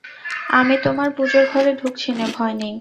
আমি তোমার পুজোর ঘরে ঢুকছি নে, ভয় নেই।